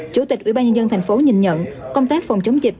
chủ tịch ủy ban nhân dân tp hcm nhìn nhận công tác phòng chống dịch